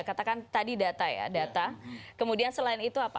katakan tadi data ya data kemudian selain itu apa